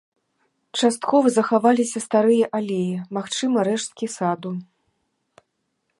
Часткова захаваліся старыя алеі, магчыма, рэшткі саду.